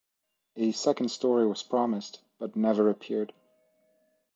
A second story was promised, but never appeared.